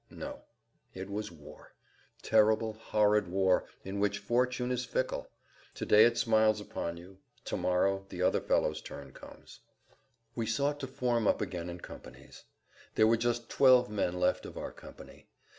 No; it was war, terrible, horrid war, in which fortune is fickle. To day it smiles upon you; to morrow the other fellow's turn comes. We sought to form up again in companies. There were just twelve men left of our company.